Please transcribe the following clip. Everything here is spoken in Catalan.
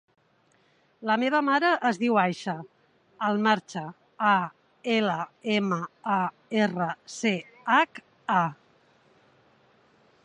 La meva mare es diu Aixa Almarcha: a, ela, ema, a, erra, ce, hac, a.